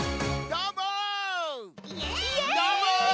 どーも！